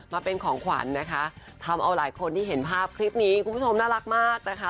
มาเป็นของขวัญนะคะทำเอาหลายคนที่เห็นภาพคลิปนี้คุณผู้ชมน่ารักมากนะคะ